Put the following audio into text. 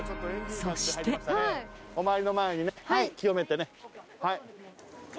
［そして］お参りの前にね清めてね。